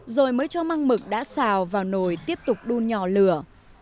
rồi mới cho măng mực đã xào và nồi tiếp tục đun nhỏ lửa